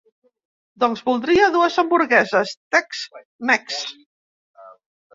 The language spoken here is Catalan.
Doncs voldria dues hamburgueses Tex Mex.